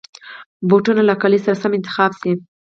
بوټونه له کالي سره سم انتخاب شي.